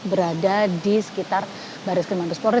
berada di sekitar bareskrim mabes polri